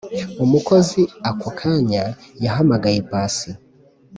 umukozi ako kanya yahamagaye pasi